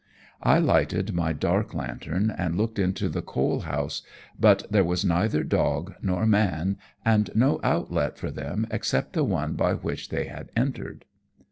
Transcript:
I lighted my dark lantern and looked into the coal house, but there was neither dog nor man, and no outlet for them except the one by which they had entered.